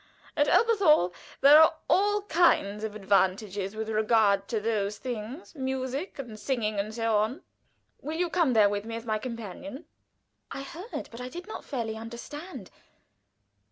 "At Elberthal there are all kinds of advantages with regard to those things music and singing, and so on. Will you come there with me as my companion?" I heard, but did not fairly understand.